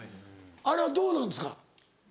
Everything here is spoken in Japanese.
あれはどうなんですか？